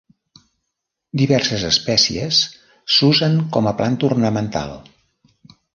Diverses espècies s'usen com a planta ornamental.